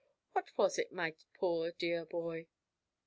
"What was it, my poor dear boy?"